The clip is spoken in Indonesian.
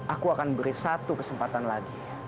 aku akan beri satu kesempatan lagi